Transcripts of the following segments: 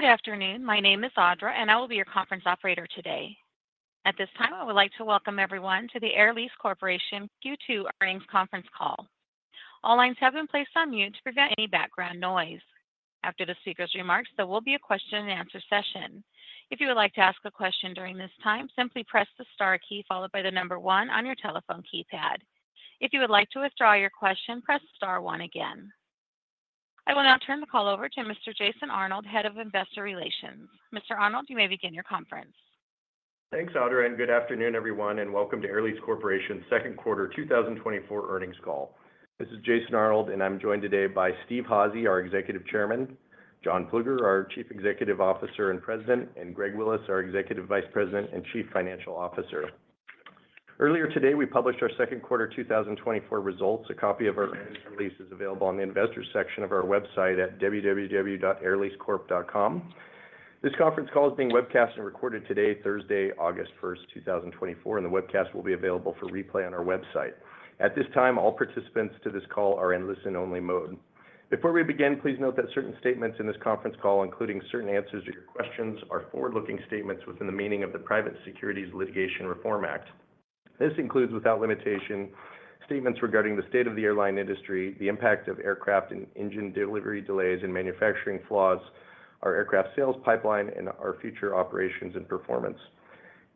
Good afternoon. My name is Audra, and I will be your conference operator today. At this time, I would like to welcome everyone to the Air Lease Corporation Q2 earnings conference call. All lines have been placed on mute to prevent any background noise. After the speaker's remarks, there will be a question-and-answer session. If you would like to ask a question during this time, simply press the star key followed by the number one on your telephone keypad. If you would like to withdraw your question, press star one again. I will now turn the call over to Mr. Jason Arnold, Head of Investor Relations. Mr. Arnold, you may begin your conference. Thanks, Audra, and good afternoon, everyone, and welcome to Air Lease Corporation's Q2 2024 earnings call. This is Jason Arnold, and I'm joined today by Steve Hazy, our Executive Chairman; John Plueger, our Chief Executive Officer and President; and Greg Willis, our Executive Vice President and Chief Financial Officer. Earlier today, we published our Q2 2024 results. A copy of our earnings release is available on the investors' section of our website at www.airleasecorp.com. This conference call is being webcast and recorded today, Thursday, August 1st, 2024, and the webcast will be available for replay on our website. At this time, all participants to this call are in listen-only mode. Before we begin, please note that certain statements in this conference call, including certain answers to your questions, are forward-looking statements within the meaning of the Private Securities Litigation Reform Act. This includes, without limitation, statements regarding the state of the airline industry, the impact of aircraft and engine delivery delays and manufacturing flaws, our aircraft sales pipeline, and our future operations and performance.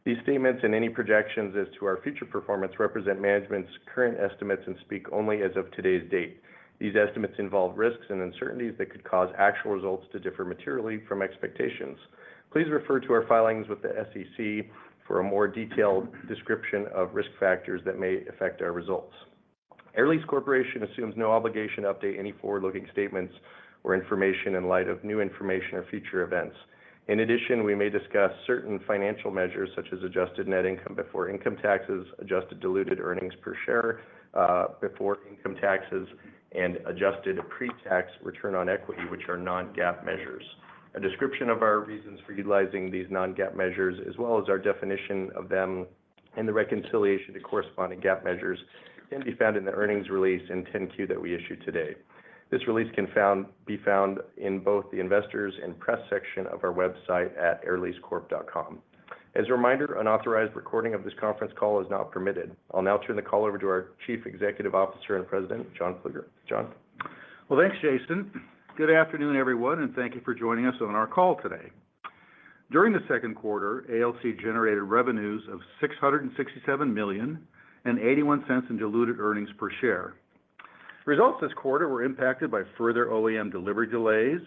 These statements and any projections as to our future performance represent management's current estimates and speak only as of today's date. These estimates involve risks and uncertainties that could cause actual results to differ materially from expectations. Please refer to our filings with the SEC for a more detailed description of risk factors that may affect our results. Air Lease Corporation assumes no obligation to update any forward-looking statements or information in light of new information or future events. In addition, we may discuss certain financial measures such as adjusted net income before income taxes, adjusted diluted earnings per share before income taxes, and adjusted pre-tax return on equity, which are non-GAAP measures. A description of our reasons for utilizing these non-GAAP measures, as well as our definition of them and the reconciliation to corresponding GAAP measures, can be found in the earnings release and 10-Q that we issued today. This release can be found in both the investors' and press section of our website at airleasecorp.com. As a reminder, unauthorized recording of this conference call is not permitted. I'll now turn the call over to our Chief Executive Officer and President, John Plueger. John? Well, thanks, Jason. Good afternoon, everyone, and thank you for joining us on our call today. During the Q2, ALC generated revenues of $667.81 in diluted earnings per share. Results this quarter were impacted by further OEM delivery delays,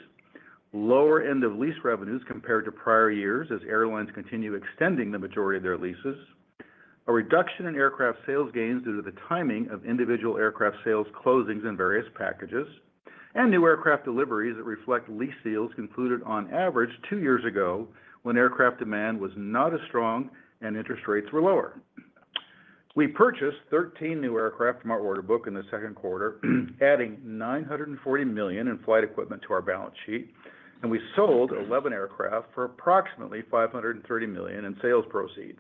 lower end of lease revenues compared to prior years as airlines continue extending the majority of their leases, a reduction in aircraft sales gains due to the timing of individual aircraft sales closings in various packages, and new aircraft deliveries that reflect lease deals concluded on average two years ago when aircraft demand was not as strong and interest rates were lower. We purchased 13 new aircraft from our order book in the Q2, adding $940 million in flight equipment to our balance sheet, and we sold 11 aircraft for approximately $530 million in sales proceeds.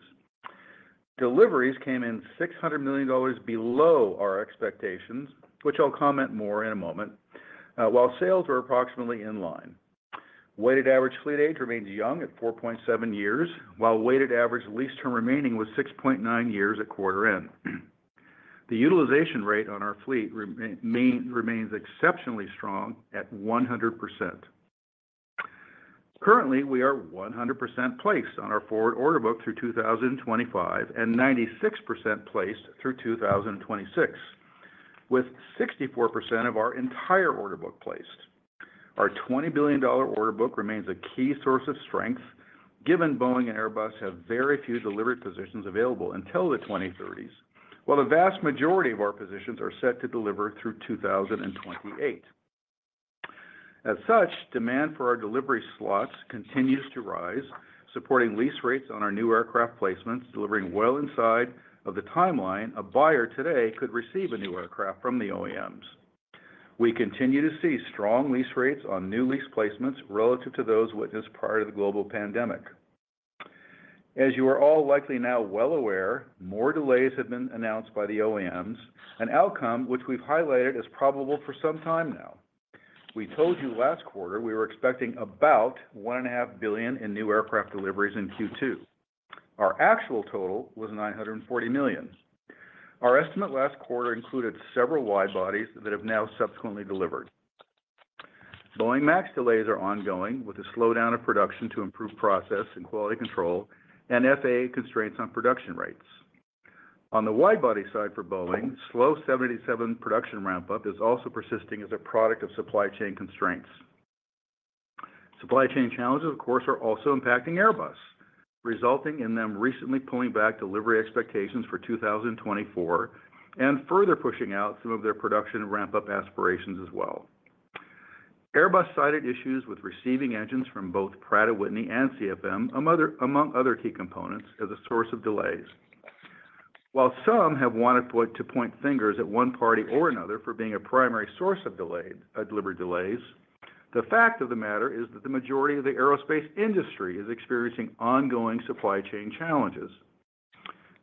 Deliveries came in $600 million below our expectations, which I'll comment more on in a moment, while sales were approximately in line. Weighted average fleet age remains young at 4.7 years, while weighted average lease term remaining was 6.9 years at quarter end. The utilization rate on our fleet remains exceptionally strong at 100%. Currently, we are 100% placed on our forward order book through 2025 and 96% placed through 2026, with 64% of our entire order book placed. Our $20 billion order book remains a key source of strength, given Boeing and Airbus have very few delivery positions available until the 2030s, while the vast majority of our positions are set to deliver through 2028. As such, demand for our delivery slots continues to rise, supporting lease rates on our new aircraft placements, delivering well inside of the timeline a buyer today could receive a new aircraft from the OEMs. We continue to see strong lease rates on new lease placements relative to those witnessed prior to the global pandemic. As you are all likely now well aware, more delays have been announced by the OEMs, an outcome which we've highlighted as probable for some time now. We told you last quarter we were expecting about $1.5 billion in new aircraft deliveries in Q2. Our actual total was $940 million. Our estimate last quarter included several widebodies that have now subsequently delivered. Boeing MAX delays are ongoing with a slowdown of production to improve process and quality control and FAA constraints on production rates. On the widebody side for Boeing, slow 787 production ramp-up is also persisting as a product of supply chain constraints. Supply chain challenges, of course, are also impacting Airbus, resulting in them recently pulling back delivery expectations for 2024 and further pushing out some of their production ramp-up aspirations as well. Airbus cited issues with receiving engines from both Pratt & Whitney and CFM, among other key components, as a source of delays. While some have wanted to point fingers at one party or another for being a primary source of delivery delays, the fact of the matter is that the majority of the aerospace industry is experiencing ongoing supply chain challenges.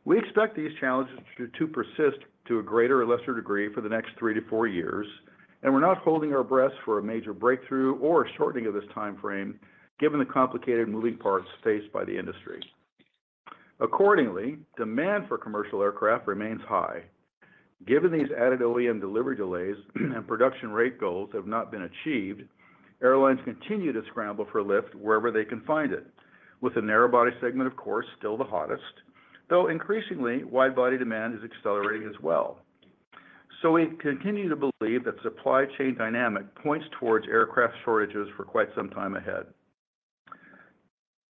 We expect these challenges to persist to a greater or lesser degree for the next 3-4 years, and we're not holding our breath for a major breakthrough or shortening of this timeframe, given the complicated moving parts faced by the industry. Accordingly, demand for commercial aircraft remains high. Given these added OEM delivery delays and production rate goals have not been achieved, airlines continue to scramble for lift wherever they can find it, with the narrowbody segment, of course, still the hottest, though increasingly, widebody demand is accelerating as well. So we continue to believe that supply chain dynamic points towards aircraft shortages for quite some time ahead.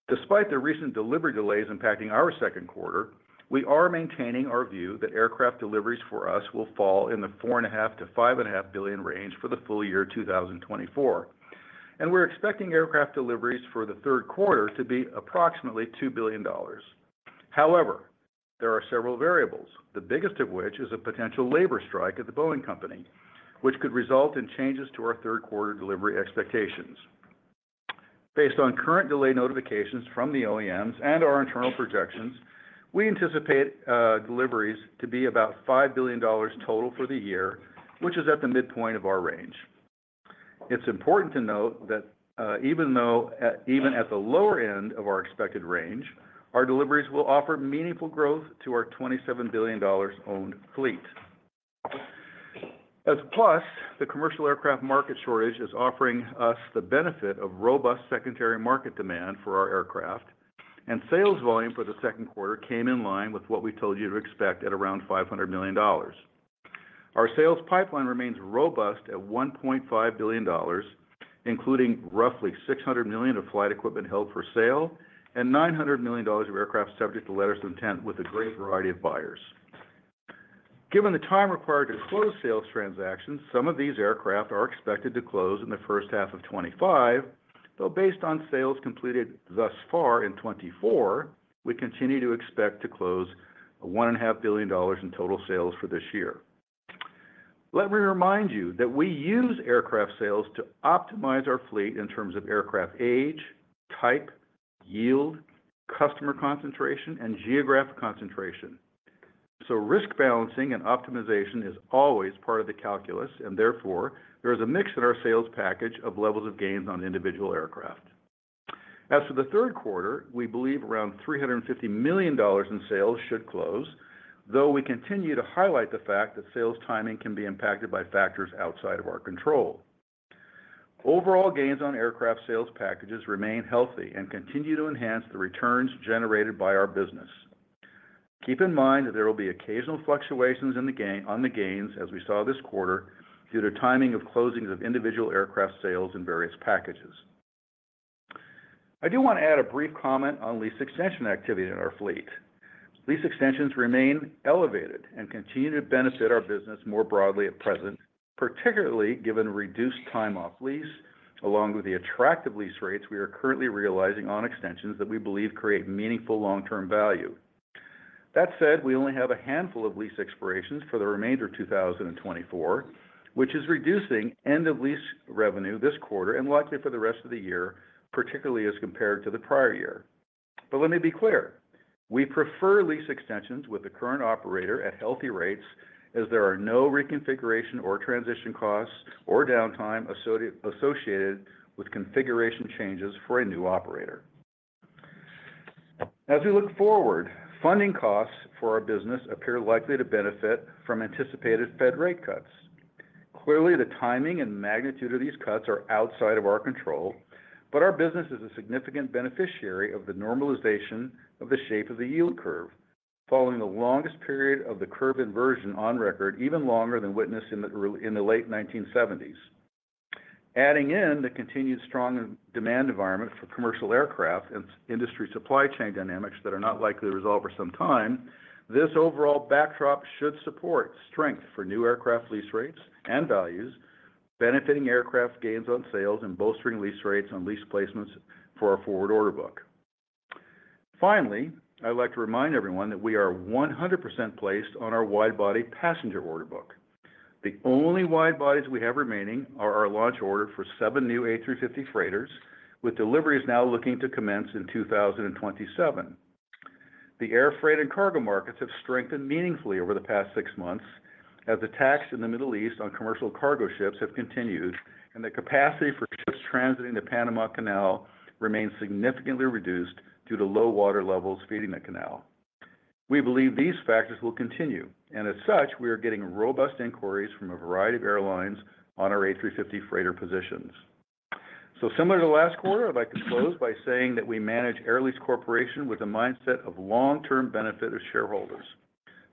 Despite the recent delivery delays impacting our Q2, we are maintaining our view that aircraft deliveries for us will fall in the $4.5-$5.5 billion range for the full year 2024, and we're expecting aircraft deliveries for the Q3 to be approximately $2 billion. However, there are several variables, the biggest of which is a potential labor strike at the Boeing Company, which could result in changes to our Q3 delivery expectations. Based on current delay notifications from the OEMs and our internal projections, we anticipate deliveries to be about $5 billion total for the year, which is at the midpoint of our range. It's important to note that even at the lower end of our expected range, our deliveries will offer meaningful growth to our $27 billion owned fleet. Also, the commercial aircraft market shortage is offering us the benefit of robust secondary market demand for our aircraft, and sales volume for the second quarter came in line with what we told you to expect at around $500 million. Our sales pipeline remains robust at $1.5 billion, including roughly $600 million of flight equipment held for sale and $900 million of aircraft subject to letters of intent with a great variety of buyers. Given the time required to close sales transactions, some of these aircraft are expected to close in the first half of 2025, though based on sales completed thus far in 2024, we continue to expect to close $1.5 billion in total sales for this year. Let me remind you that we use aircraft sales to optimize our fleet in terms of aircraft age, type, yield, customer concentration, and geographic concentration. Risk balancing and optimization is always part of the calculus, and therefore, there is a mix in our sales package of levels of gains on individual aircraft. As for the Q3, we believe around $350 million in sales should close, though we continue to highlight the fact that sales timing can be impacted by factors outside of our control. Overall gains on aircraft sales packages remain healthy and continue to enhance the returns generated by our business. Keep in mind that there will be occasional fluctuations on the gains, as we saw this quarter, due to timing of closings of individual aircraft sales in various packages. I do want to add a brief comment on lease extension activity in our fleet. Lease extensions remain elevated and continue to benefit our business more broadly at present, particularly given reduced time off lease, along with the attractive lease rates we are currently realizing on extensions that we believe create meaningful long-term value. That said, we only have a handful of lease expirations for the remainder of 2024, which is reducing end-of-lease revenue this quarter and likely for the rest of the year, particularly as compared to the prior year. But let me be clear. We prefer lease extensions with the current operator at healthy rates as there are no reconfiguration or transition costs or downtime associated with configuration changes for a new operator. As we look forward, funding costs for our business appear likely to benefit from anticipated Fed rate cuts. Clearly, the timing and magnitude of these cuts are outside of our control, but our business is a significant beneficiary of the normalization of the shape of the yield curve, following the longest period of the curve inversion on record, even longer than witnessed in the late 1970s. Adding in the continued strong demand environment for commercial aircraft and industry supply chain dynamics that are not likely to resolve for some time, this overall backdrop should support strength for new aircraft lease rates and values, benefiting aircraft gains on sales and bolstering lease rates on lease placements for our forward order book. Finally, I'd like to remind everyone that we are 100% placed on our widebody passenger order book. The only widebodies we have remaining are our launch order for seven new A350 Freighters, with deliveries now looking to commence in 2027. The air freight and cargo markets have strengthened meaningfully over the past six months as the attacks in the Middle East on commercial cargo ships has continued and the capacity for ships transiting the Panama Canal remains significantly reduced due to low water levels feeding the canal. We believe these factors will continue, and as such, we are getting robust inquiries from a variety of airlines on our A350 Freighter positions. So similar to last quarter, I'd like to close by saying that we manage Air Lease Corporation with a mindset of long-term benefit of shareholders.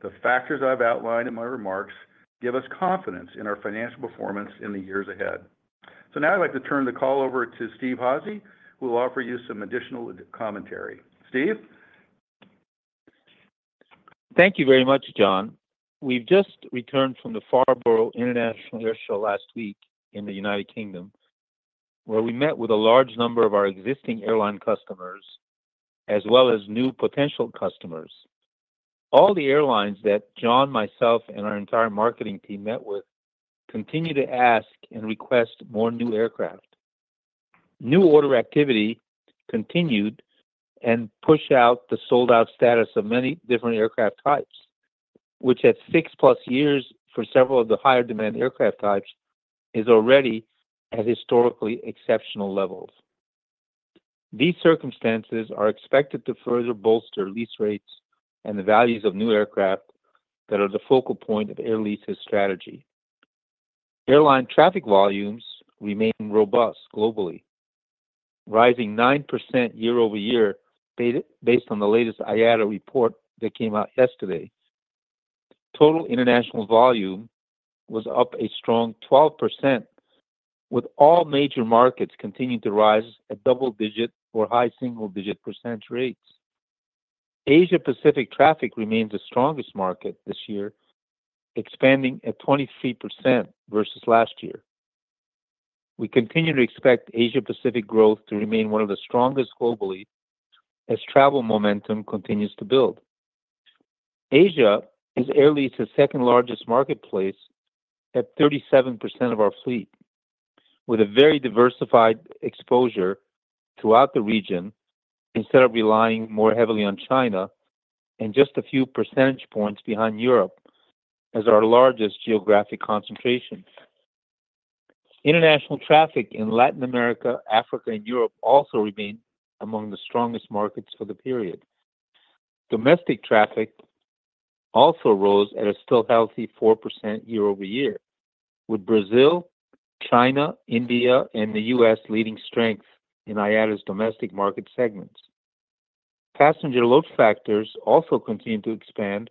The factors I've outlined in my remarks give us confidence in our financial performance in the years ahead. So now I'd like to turn the call over to Steve Hazy, who will offer you some additional commentary. Steve? Thank you very much, John. We've just returned from the Farnborough International Airshow last week in the United Kingdom, where we met with a large number of our existing airline customers as well as new potential customers. All the airlines that John, myself, and our entire marketing team met with continue to ask and request more new aircraft. New order activity continued and pushed out the sold-out status of many different aircraft types, which at 6+ years for several of the higher-demand aircraft types is already at historically exceptional levels. These circumstances are expected to further bolster lease rates and the values of new aircraft that are the focal point of Air Lease's strategy. Airline traffic volumes remain robust globally, rising 9% year-over-year based on the latest IATA report that came out yesterday. Total international volume was up a strong 12%, with all major markets continuing to rise at double-digit or high single-digit percent rates. Asia-Pacific traffic remains the strongest market this year, expanding at 23% versus last year. We continue to expect Asia-Pacific growth to remain one of the strongest globally as travel momentum continues to build. Asia is Air Lease's second-largest marketplace at 37% of our fleet, with a very diversified exposure throughout the region instead of relying more heavily on China and just a few percentage points behind Europe as our largest geographic concentration. International traffic in Latin America, Africa, and Europe also remains among the strongest markets for the period. Domestic traffic also rose at a still healthy 4% year-over-year, with Brazil, China, India, and the U.S. leading strength in IATA's domestic market segments. Passenger load factors also continue to expand,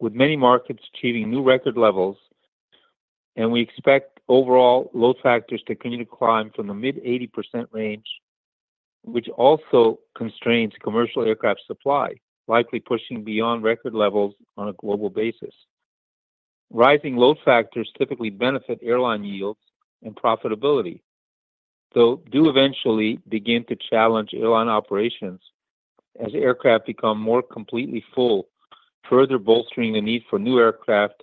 with many markets achieving new record levels, and we expect overall load factors to continue to climb from the mid-80% range, which also constrains commercial aircraft supply, likely pushing beyond record levels on a global basis. Rising load factors typically benefit airline yields and profitability, though do eventually begin to challenge airline operations as aircraft become more completely full, further bolstering the need for new aircraft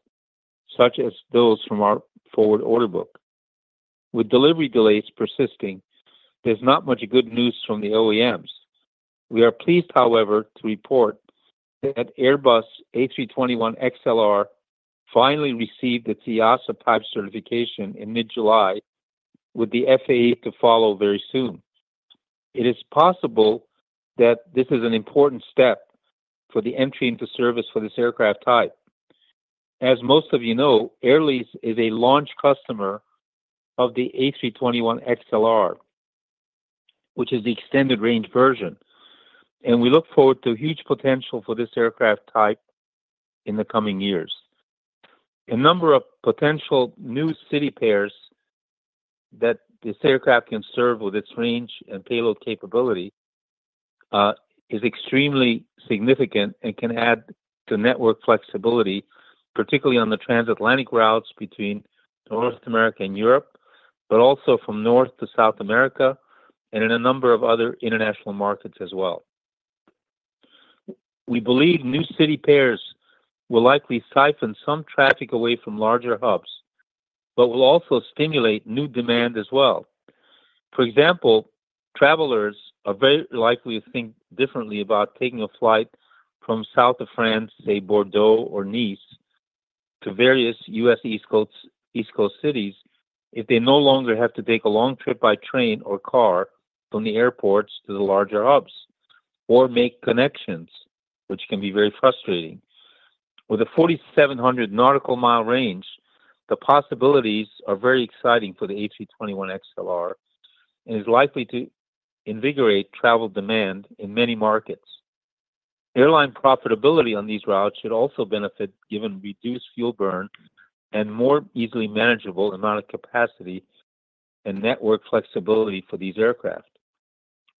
such as those from our forward order book. With delivery delays persisting, there's not much good news from the OEMs. We are pleased, however, to report that Airbus A321XLR finally received its EASA type certification in mid-July, with the FAA to follow very soon. It is possible that this is an important step for the entry into service for this aircraft type. As most of you know, Air Lease is a launch customer of the A321XLR, which is the extended range version, and we look forward to huge potential for this aircraft type in the coming years. A number of potential new city pairs that this aircraft can serve with its range and payload capability is extremely significant and can add to network flexibility, particularly on the transatlantic routes between North America and Europe, but also from North to South America and in a number of other international markets as well. We believe new city pairs will likely siphon some traffic away from larger hubs, but will also stimulate new demand as well. For example, travelers are very likely to think differently about taking a flight from south of France, say, Bordeaux or Nice, to various U.S. East Coast cities if they no longer have to take a long trip by train or car from the airports to the larger hubs or make connections, which can be very frustrating. With a 4,700 nautical mile range, the possibilities are very exciting for the A321XLR and is likely to invigorate travel demand in many markets. Airline profitability on these routes should also benefit given reduced fuel burn and more easily manageable amount of capacity and network flexibility for these aircraft.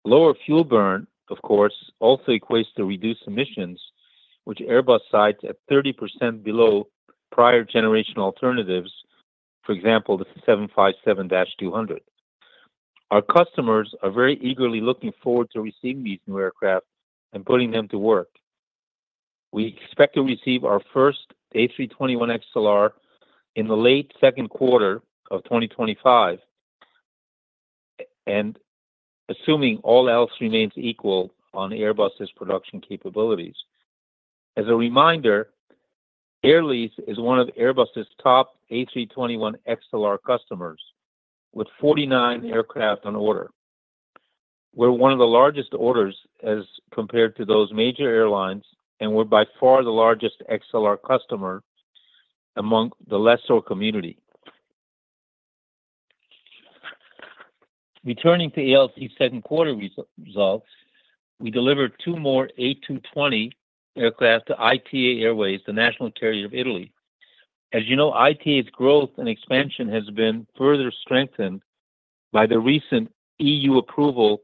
Lower fuel burn, of course, also equates to reduced emissions, which Airbus cites at 30% below prior generation alternatives, for example, the 757-200. Our customers are very eagerly looking forward to receiving these new aircraft and putting them to work. We expect to receive our first A321XLR in the late Q2 of 2025, and assuming all else remains equal on Airbus's production capabilities. As a reminder, Air Lease is one of Airbus's top A321XLR customers, with 49 aircraft on order. We're one of the largest orders as compared to those major airlines, and we're by far the largest XLR customer among the lesser community. Returning to ALC Q2 results, we delivered two more A220 aircraft to ITA Airways, the national carrier of Italy. As you know, ITA's growth and expansion has been further strengthened by the recent EU approval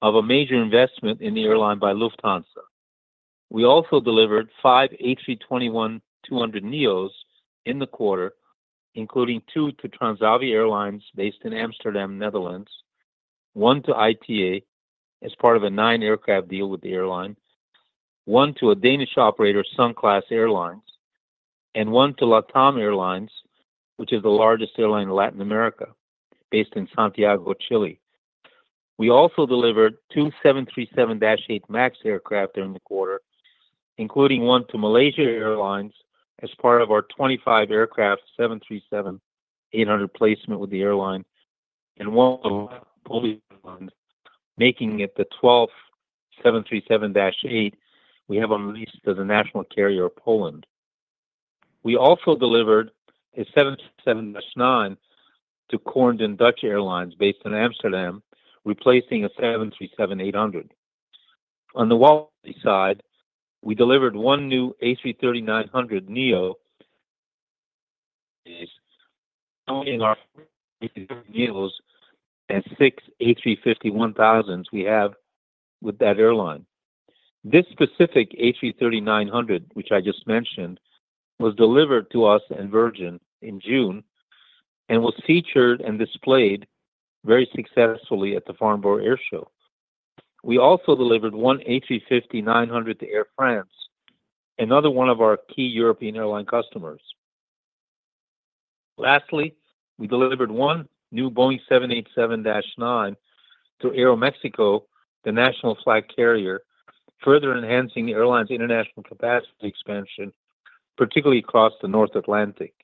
of a major investment in the airline by Lufthansa. We also delivered five A321-200neos in the quarter, including two to Transavia Airlines based in Amsterdam, Netherlands, one to ITA as part of a nine-aircraft deal with the airline, one to a Danish operator, Sunclass Airlines, and one to LATAM Airlines, which is the largest airline in Latin America based in Santiago, Chile. We also delivered two 737-8 MAX aircraft during the quarter, including one to Malaysia Airlines as part of our 25 aircraft 737-800 placement with the airline and one to LOT Polish Airlines, making it the 12th 737-8 we have on lease to the national carrier of Poland. We also delivered a 737-9 to KLM Royal Dutch Airlines based in Amsterdam, replacing a 737-800. On the quality side, we delivered one new A330-900neo following our previous news and six A350-1000s we have with that airline. This specific A330-900, which I just mentioned, was delivered to Virgin in June and was featured and displayed very successfully at the Farnborough Airshow. We also delivered one A350-900 to Air France, another one of our key European airline customers. Lastly, we delivered one new Boeing 787-9 to Aeromexico, the national flag carrier, further enhancing the airline's international capacity expansion, particularly across the North Atlantic.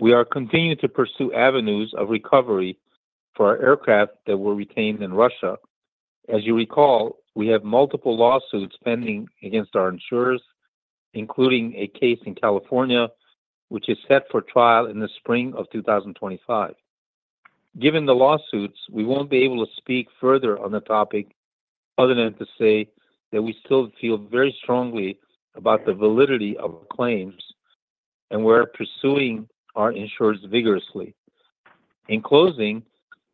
We are continuing to pursue avenues of recovery for our aircraft that were retained in Russia. As you recall, we have multiple lawsuits pending against our insurers, including a case in California, which is set for trial in the spring of 2025. Given the lawsuits, we won't be able to speak further on the topic other than to say that we still feel very strongly about the validity of our claims and we're pursuing our insurers vigorously. In closing,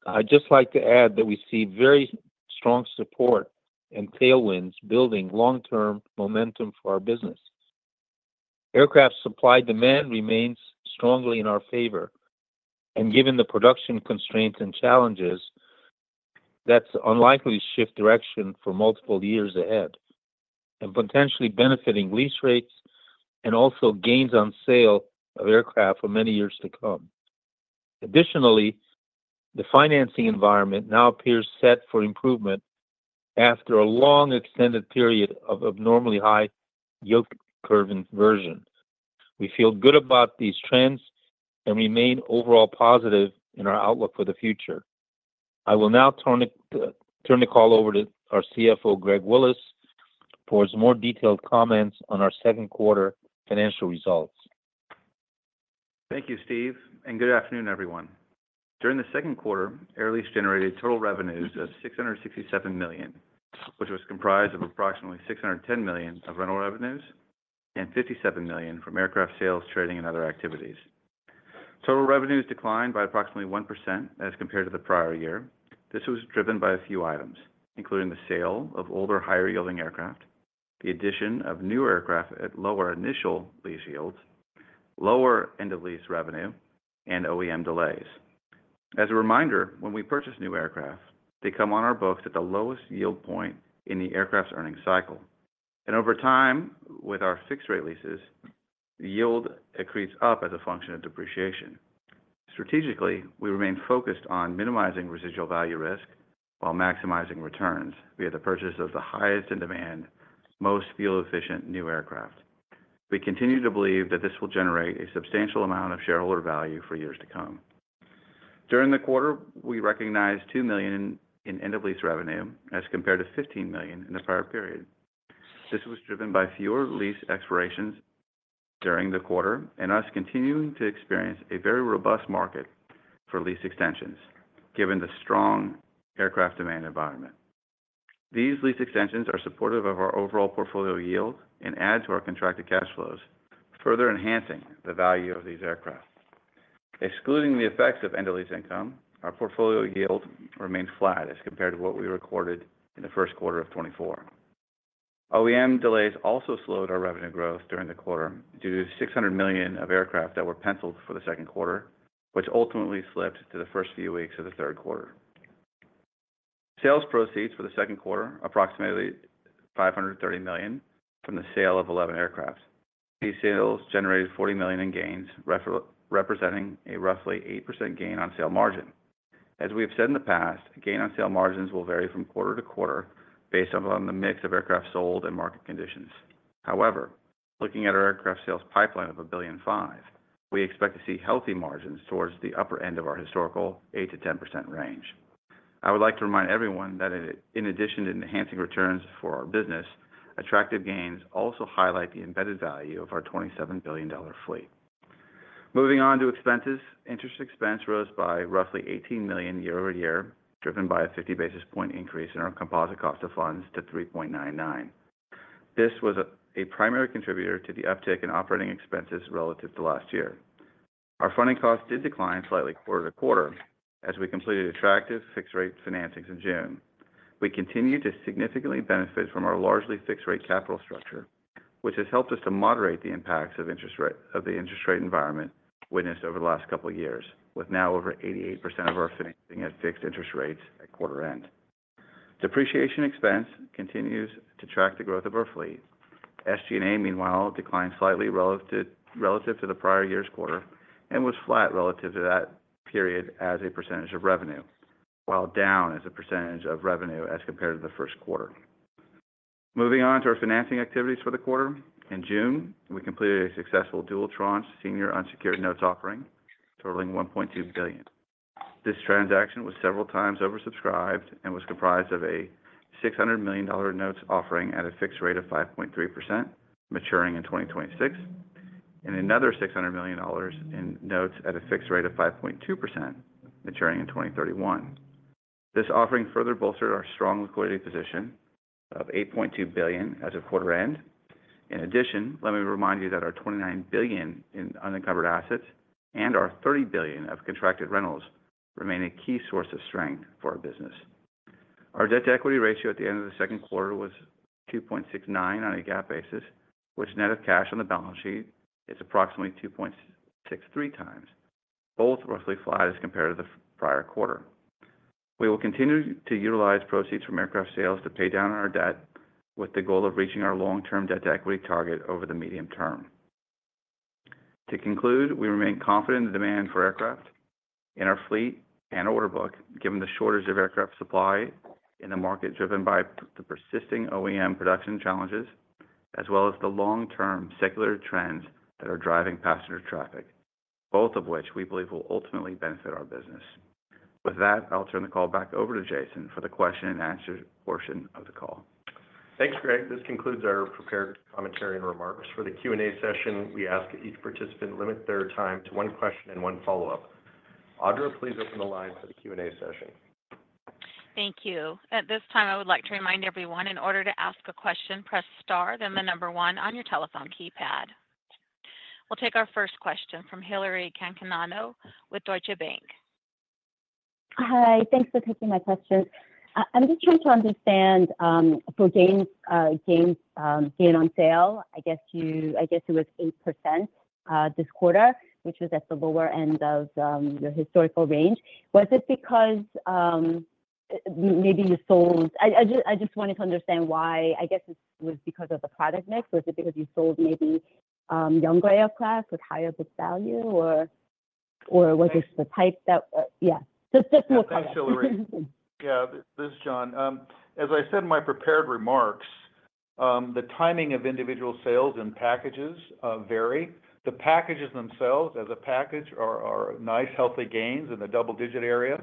I'd just like to add that we see very strong support and tailwinds building long-term momentum for our business. Aircraft supply demand remains strongly in our favor, and given the production constraints and challenges, that's unlikely to shift direction for multiple years ahead and potentially benefiting lease rates and also gains on sale of aircraft for many years to come. Additionally, the financing environment now appears set for improvement after a long extended period of abnormally high yield curve inversion. We feel good about these trends and remain overall positive in our outlook for the future. I will now turn the call over to our CFO, Greg Willis, for his more detailed comments on our Q2 financial results. Thank you, Steve, and good afternoon, everyone. During the Q2, Air Lease generated total revenues of $667 million, which was comprised of approximately $610 million of rental revenues and $57 million from aircraft sales, trading, and other activities. Total revenues declined by approximately 1% as compared to the prior year. This was driven by a few items, including the sale of older higher-yielding aircraft, the addition of new aircraft at lower initial lease yields, lower end-of-lease revenue, and OEM delays. As a reminder, when we purchase new aircraft, they come on our books at the lowest yield point in the aircraft's earnings cycle. Over time, with our fixed-rate leases, the yield decreases up as a function of depreciation. Strategically, we remain focused on minimizing residual value risk while maximizing returns via the purchase of the highest-in-demand, most fuel-efficient new aircraft. We continue to believe that this will generate a substantial amount of shareholder value for years to come. During the quarter, we recognized $2 million in end-of-lease revenue as compared to $15 million in the prior period. This was driven by fewer lease expirations during the quarter and us continuing to experience a very robust market for lease extensions given the strong aircraft demand environment. These lease extensions are supportive of our overall portfolio yield and add to our contracted cash flows, further enhancing the value of these aircraft. Excluding the effects of end-of-lease income, our portfolio yield remained flat as compared to what we recorded in the Q1 of 2024. OEM delays also slowed our revenue growth during the quarter due to $600 million of aircraft that were penciled for the Q2, which ultimately slipped to the first few weeks of the Q3. Sales proceeds for the Q2, approximately $530 million from the sale of 11 aircraft. These sales generated $40 million in gains, representing a roughly 8% gain on sale margin. As we have said in the past, gain on sale margins will vary from quarter to quarter based on the mix of aircraft sold and market conditions. However, looking at our aircraft sales pipeline of $1.5 billion, we expect to see healthy margins towards the upper end of our historical 8%-10% range. I would like to remind everyone that in addition to enhancing returns for our business, attractive gains also highlight the embedded value of our $27 billion fleet. Moving on to expenses, interest expense rose by roughly $18 million year-over-year, driven by a 50 basis points increase in our composite cost of funds to 3.99%. This was a primary contributor to the uptick in operating expenses relative to last year. Our funding costs did decline slightly quarter to quarter as we completed attractive fixed-rate financings in June. We continue to significantly benefit from our largely fixed-rate capital structure, which has helped us to moderate the impacts of the interest rate environment witnessed over the last couple of years, with now over 88% of our financing at fixed interest rates at quarter end. Depreciation expense continues to track the growth of our fleet. SG&A, meanwhile, declined slightly relative to the prior year's quarter and was flat relative to that period as a percentage of revenue, while down as a percentage of revenue as compared to the Q1. Moving on to our financing activities for the quarter, in June, we completed a successful dual-tranche senior unsecured notes offering totaling $1.2 billion. This transaction was several times oversubscribed and was comprised of a $600 million notes offering at a fixed rate of 5.3% maturing in 2026, and another $600 million in notes at a fixed rate of 5.2% maturing in 2031. This offering further bolstered our strong liquidity position of $8.2 billion as of quarter end. In addition, let me remind you that our $29 billion in unencumbered assets and our $30 billion of contracted rentals remain a key source of strength for our business. Our debt-to-equity ratio at the end of the Q2 was 2.69 on a GAAP basis, which net of cash on the balance sheet is approximately 2.63 times, both roughly flat as compared to the prior quarter. We will continue to utilize proceeds from aircraft sales to pay down our debt with the goal of reaching our long-term debt-to-equity target over the medium term. To conclude, we remain confident in the demand for aircraft in our fleet and order book, given the shortage of aircraft supply in the market driven by the persisting OEM production challenges, as well as the long-term secular trends that are driving passenger traffic, both of which we believe will ultimately benefit our business. With that, I'll turn the call back over to Jason for the question-and-answer portion of the call. Thanks, Greg. This concludes our prepared commentary and remarks. For the Q&A session, we ask each participant to limit their time to one question and one follow-up. Audra, please open the line for the Q&A session. Thank you. At this time, I would like to remind everyone in order to ask a question, press star, then the number one on your telephone keypad. We'll take our first question from Hillary Cacanando with Deutsche Bank. Hi, thanks for taking my question. I'm just trying to understand for gain on sale, I guess it was 8% this quarter, which was at the lower end of your historical range. Was it because maybe you sold? I just wanted to understand why. I guess it was because of the product mix. Was it because you sold maybe younger aircraft with higher book value, or was it the type that yeah. Just more comments. Hi, Hilary. Yeah, this is John. As I said in my prepared remarks, the timing of individual sales and packages vary. The packages themselves, as a package, are nice, healthy gains in the double-digit area.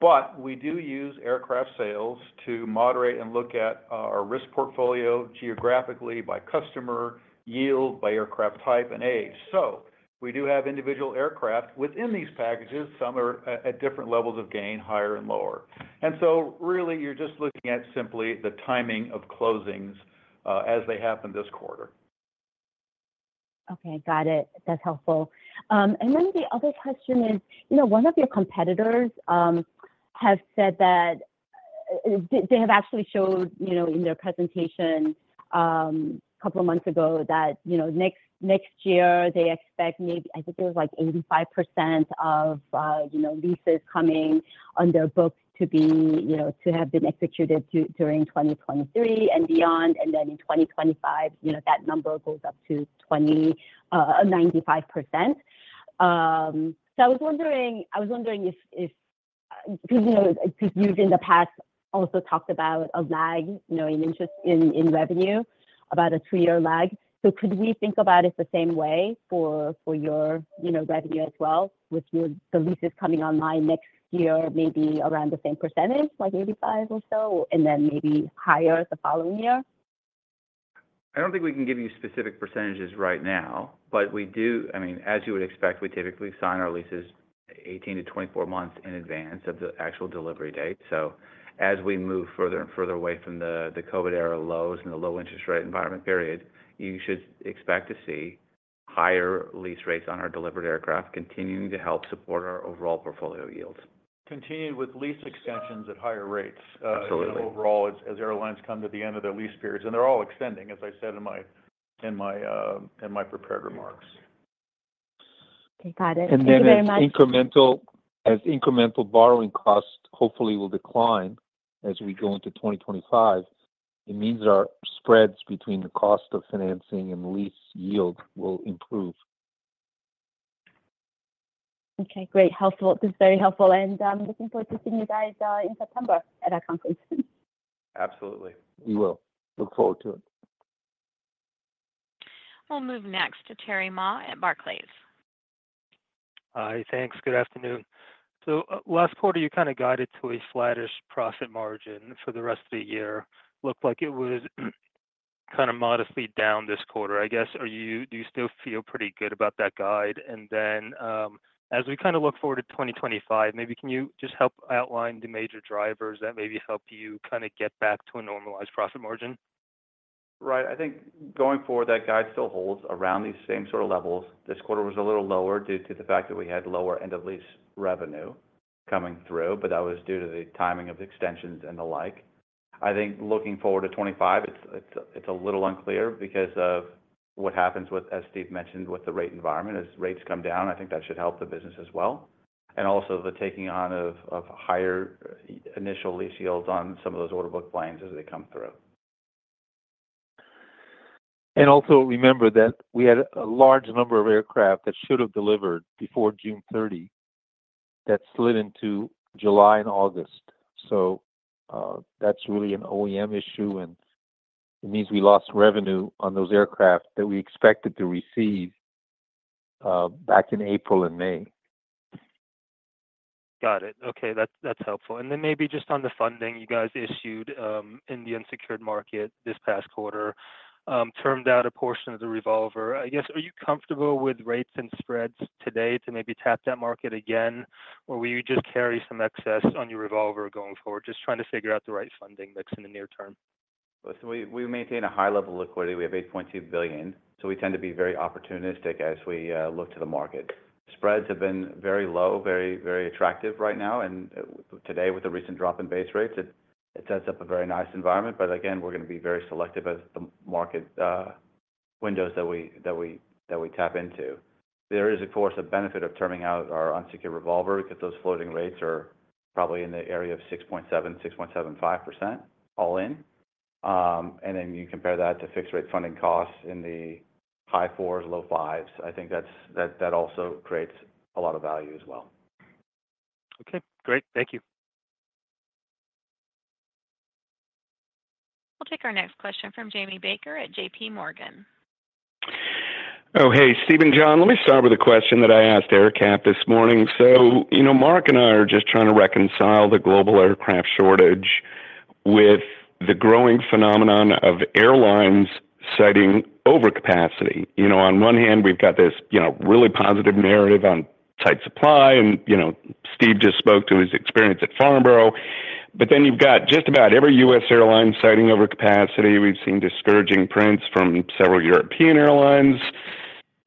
But we do use aircraft sales to moderate and look at our risk portfolio geographically by customer, yield by aircraft type, and age. So we do have individual aircraft within these packages. Some are at different levels of gain, higher and lower. And so really, you're just looking at simply the timing of closings as they happen this quarter. Okay, got it. That's helpful. And then the other question is, one of your competitors has said that they have actually showed in their presentation a couple of months ago that next year, they expect maybe I think it was like 85% of leases coming on their books to have been executed during 2023 and beyond. And then in 2025, that number goes up to 95%. So I was wondering if because you've in the past also talked about a lag in interest in revenue, about a three year lag. So could we think about it the same way for your revenue as well, with the leases coming online next year, maybe around the same percentage, like 85% or so, and then maybe higher the following year? I don't think we can give you specific percentages right now, but we do, I mean, as you would expect, we typically sign our leases 18-24 months in advance of the actual delivery date. So as we move further and further away from the COVID-era lows and the low-interest rate environment period, you should expect to see higher lease rates on our delivered aircraft continuing to help support our overall portfolio yields. Continued with lease extensions at higher rates. Absolutely. Overall, as airlines come to the end of their lease periods, and they're all extending, as I said in my prepared remarks. Okay, got it. Thank you very much. And then as incremental borrowing costs hopefully will decline as we go into 2025, it means that our spreads between the cost of financing and lease yield will improve. Okay, great. Helpful. This is very helpful. I'm looking forward to seeing you guys in September at our conference. Absolutely. We will look forward to it. We'll move next to Terry Ma at Barclays. Hi, thanks. Good afternoon. So last quarter, you kind of guided to a flatish profit margin for the rest of the year. Looked like it was kind of modestly down this quarter. I guess, do you still feel pretty good about that guide? And then as we kind of look forward to 2025, maybe can you just help outline the major drivers that maybe help you kind of get back to a normalized profit margin? Right. I think going forward, that guide still holds around these same sort of levels. This quarter was a little lower due to the fact that we had lower end-of-lease revenue coming through, but that was due to the timing of extensions and the like. I think looking forward to 2025, it's a little unclear because of what happens with, as Steve mentioned, with the rate environment. As rates come down, I think that should help the business as well. And also the taking on of higher initial lease yields on some of those order book planes as they come through. Also remember that we had a large number of aircraft that should have delivered before June 30, that slid into July and August. That's really an OEM issue, and it means we lost revenue on those aircraft that we expected to receive back in April and May. Got it. Okay, that's helpful. And then maybe just on the funding, you guys issued in the unsecured market this past quarter, termed out a portion of the revolver. I guess, are you comfortable with rates and spreads today to maybe tap that market again, or will you just carry some excess on your revolver going forward, just trying to figure out the right funding mix in the near term? Listen, we maintain a high level of liquidity. We have $8.2 billion, so we tend to be very opportunistic as we look to the market. Spreads have been very low, very attractive right now. And today, with the recent drop in base rates, it sets up a very nice environment. But again, we're going to be very selective as the market windows that we tap into. There is, of course, a benefit of terming out our unsecured revolver because those floating rates are probably in the area of 6.7%-6.75% all in. And then you compare that to fixed-rate funding costs in the high 4s, low 5s. I think that also creates a lot of value as well. Okay, great. Thank you. We'll take our next question from Jamie Baker at JPMorgan. Oh, hey, Steve and John, let me start with a question that I asked Eric Camp this morning. So Mark and I are just trying to reconcile the global aircraft shortage with the growing phenomenon of airlines citing overcapacity. On one hand, we've got this really positive narrative on tight supply, and Steve just spoke to his experience at Farnborough. But then you've got just about every U.S. airline citing overcapacity. We've seen discouraging prints from several European airlines.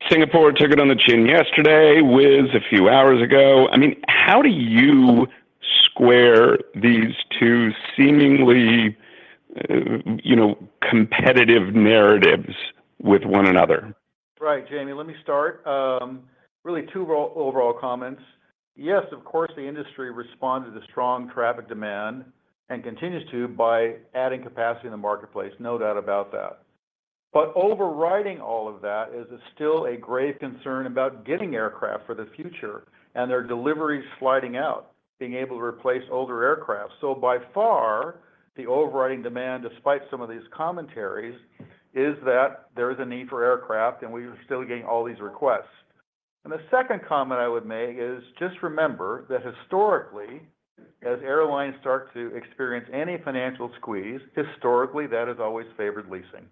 Singapore took it on the chin yesterday, Wizz a few hours ago. I mean, how do you square these two seemingly competitive narratives with one another? Right, Jamie, let me start. Really, two overall comments. Yes, of course, the industry responded to strong traffic demand and continues to by adding capacity in the marketplace. No doubt about that. But overriding all of that is still a grave concern about getting aircraft for the future and their delivery sliding out, being able to replace older aircraft. So by far, the overriding demand, despite some of these commentaries, is that there is a need for aircraft, and we are still getting all these requests. The second comment I would make is just remember that historically, as airlines start to experience any financial squeeze, historically, that has always favored leasing.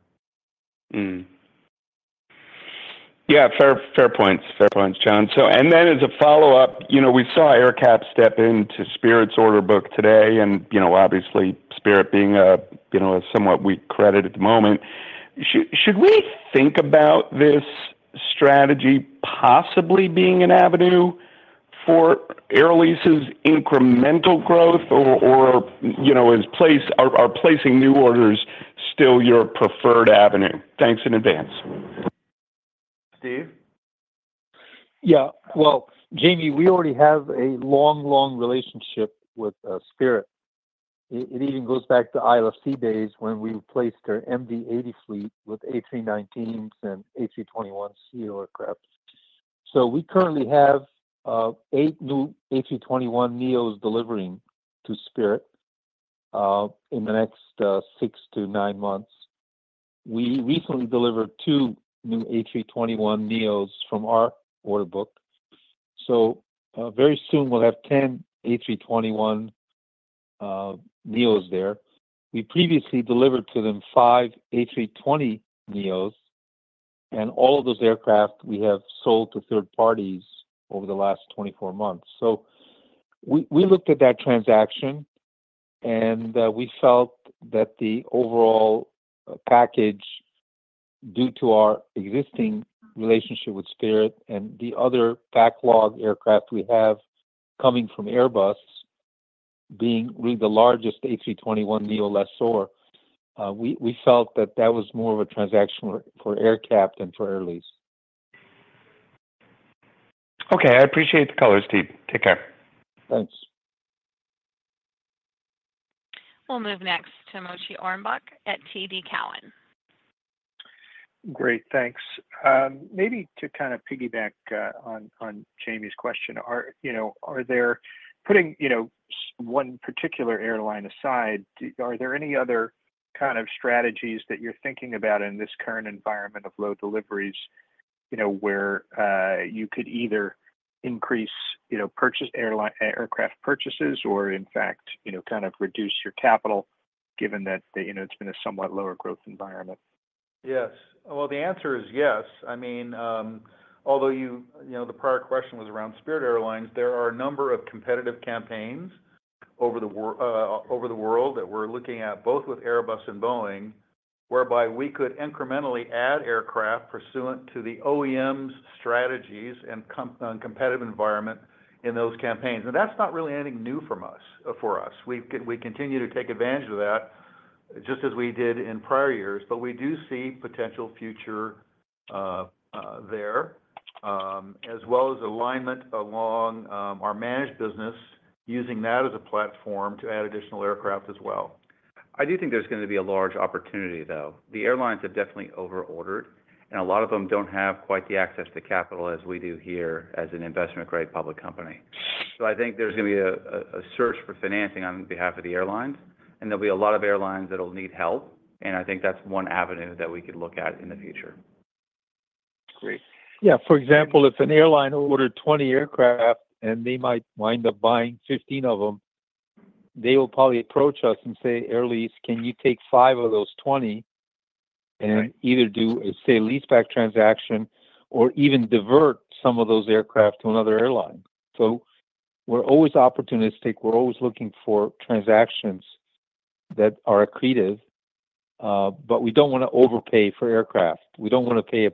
Yeah, fair points. Fair points, John. And then as a follow-up, we saw AerCap step into Spirit's order book today, and obviously, Spirit being a somewhat weak credit at the moment. Should we think about this strategy possibly being an avenue for Air Lease's incremental growth, or are placing new orders still your preferred avenue? Thanks in advance. Steve? Yeah. Well, Jamie, we already have a long, long relationship with Spirit. It even goes back to ILFC days when we replaced our MD-80 fleet with A319s and A321s aircraft. So we currently have 8 new A321neos delivering to Spirit in the next 6-9 months. We recently delivered 2 new A321neos from our order book. So very soon, we'll have 10 A321neos there. We previously delivered to them 5 A320neos, and all of those aircraft we have sold to third parties over the last 24 months. So we looked at that transaction, and we felt that the overall package, due to our existing relationship with Spirit and the other backlog aircraft we have coming from Airbus, being really the largest A321neo lessor, we felt that that was more of a transaction for AerCap than for Air Lease. Okay. I appreciate the colors, Steve. Take care. Thanks. We'll move next to Moshe Orenbuch at TD Cowen. Great. Thanks. Maybe to kind of piggyback on Jamie's question, are there putting one particular airline aside, are there any other kind of strategies that you're thinking about in this current environment of low deliveries where you could either increase aircraft purchases or, in fact, kind of reduce your capital, given that it's been a somewhat lower growth environment? Yes. Well, the answer is yes. I mean, although the prior question was around Spirit Airlines, there are a number of competitive campaigns over the world that we're looking at, both with Airbus and Boeing, whereby we could incrementally add aircraft pursuant to the OEM's strategies and competitive environment in those campaigns. That's not really anything new for us. We continue to take advantage of that, just as we did in prior years. We do see potential future there, as well as alignment along our managed business, using that as a platform to add additional aircraft as well. I do think there's going to be a large opportunity, though. The airlines have definitely overordered, and a lot of them don't have quite the access to capital as we do here as an investment-grade public company. I think there's going to be a search for financing on behalf of the airlines. There'll be a lot of airlines that'll need help. I think that's one avenue that we could look at in the future. Great. Yeah. For example, if an airline ordered 20 aircraft and they might wind up buying 15 of them, they will probably approach us and say, "Air Lease, can you take five of those 20 and either do a, say, lease-back transaction or even divert some of those aircraft to another airline?" So we're always opportunistic. We're always looking for transactions that are accretive. But we don't want to overpay for aircraft. We don't want to pay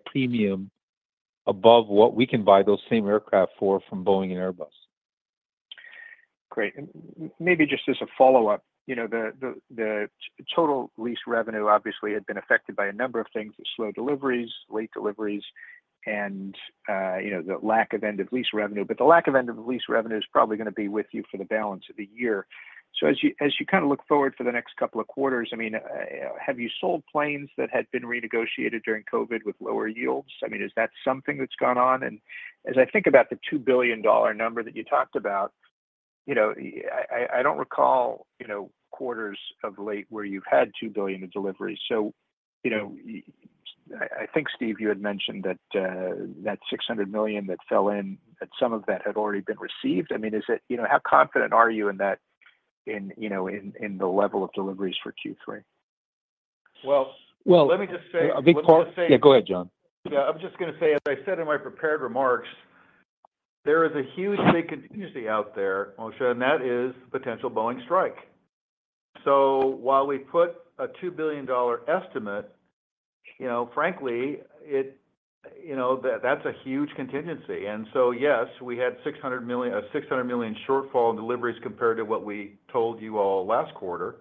a premium above what we can buy those same aircraft for from Boeing and Airbus. Great. And maybe just as a follow-up, the total lease revenue obviously had been affected by a number of things: slow deliveries, late deliveries, and the lack of end-of-lease revenue. But the lack of end-of-lease revenue is probably going to be with you for the balance of the year. So as you kind of look forward for the next couple of quarters, I mean, have you sold planes that had been renegotiated during COVID with lower yields? I mean, is that something that's gone on? And as I think about the $2 billion number that you talked about, I don't recall quarters of late where you've had $2 billion of deliveries. So I think, Steve, you had mentioned that $600 million that fell in, that some of that had already been received. I mean, how confident are you in that, in the level of deliveries for Q3? Well. Well. Let me just say. A big part. Yeah, go ahead, John. Yeah. I was just going to say, as I said in my prepared remarks, there is a huge big contingency out there, Moshe, and that is a potential Boeing strike. So while we put a $2 billion estimate, frankly, that's a huge contingency. And so, yes, we had $600 million shortfall in deliveries compared to what we told you all last quarter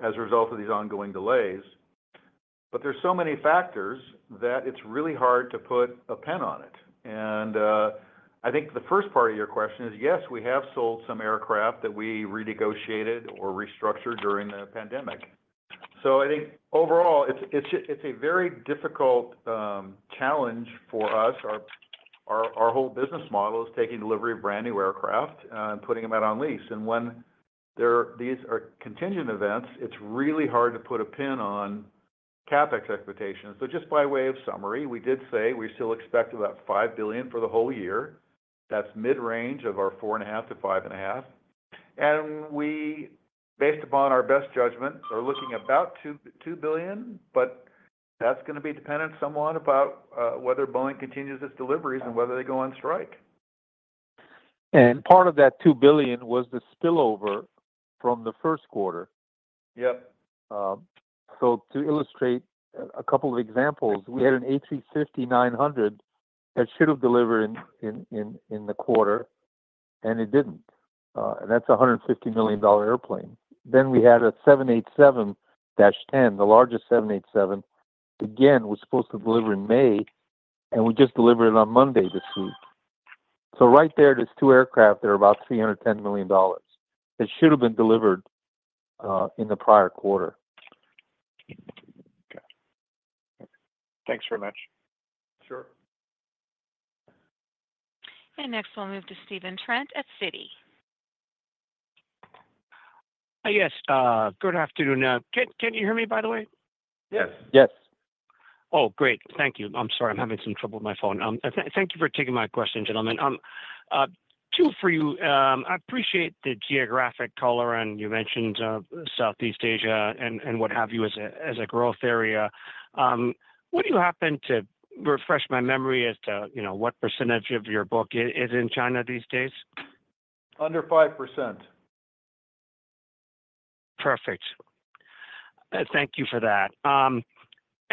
as a result of these ongoing delays. But there's so many factors that it's really hard to put a pen on it. And I think the first part of your question is, yes, we have sold some aircraft that we renegotiated or restructured during the pandemic. So I think overall, it's a very difficult challenge for us. Our whole business model is taking delivery of brand new aircraft and putting them out on lease. When these are contingent events, it's really hard to put a pin on CapEx expectations. Just by way of summary, we did say we still expect about $5 billion for the whole year. That's mid-range of our $4.5 billion-$5.5 billion. We, based upon our best judgment, are looking about $2 billion, but that's going to be dependent somewhat about whether Boeing continues its deliveries and whether they go on strike. Part of that $2 billion was the spillover from the Q1. Yep. To illustrate a couple of examples, we had an A350-900 that should have delivered in the quarter, and it didn't. That's a $150 million airplane. We had a 787-10, the largest 787, again, was supposed to deliver in May, and we just delivered it on Monday this week. Right there, those two aircraft are about $310 million. It should have been delivered in the prior quarter. Okay. Thanks very much. Sure. Next, we'll move to Stephen Trent at Citi. Yes. Good afternoon. Can you hear me, by the way? Yes. Yes. Oh, great. Thank you. I'm sorry. I'm having some trouble with my phone. Thank you for taking my question, gentlemen. Two for you. I appreciate the geographic color, and you mentioned Southeast Asia and what have you as a growth area. Would you happen to refresh my memory as to what percentage of your book is in China these days? Under 5%. Perfect. Thank you for that.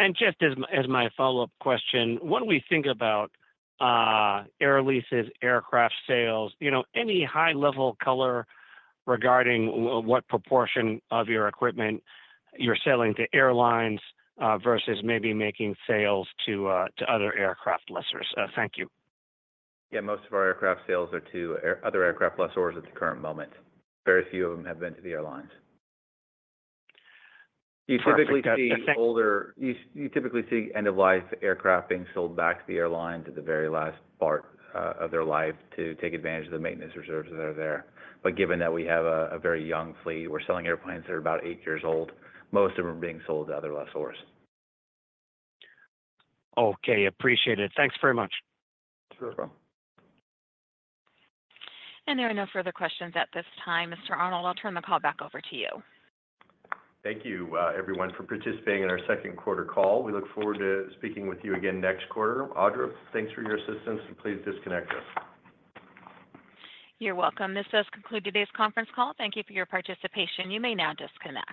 And just as my follow-up question, when we think about Air Lease's aircraft sales, any high-level color regarding what proportion of your equipment you're selling to airlines versus maybe making sales to other aircraft lessors? Thank you. Yeah. Most of our aircraft sales are to other aircraft lessors at the current moment. Very few of them have been to the airlines. Typically, you see end-of-life aircraft being sold back to the airlines at the very last part of their life to take advantage of the maintenance reserves that are there. But given that we have a very young fleet, we're selling airplanes that are about eight years old, most of them being sold to other lessors. Okay. Appreciate it. Thanks very much. Sure. There are no further questions at this time. Mr. Arnold, I'll turn the call back over to you. Thank you, everyone, for participating in our Q2 call. We look forward to speaking with you again next quarter. Audra, thanks for your assistance, and please disconnect us. You're welcome. This does conclude today's conference call. Thank you for your participation. You may now disconnect.